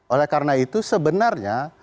oleh karena itu sebenarnya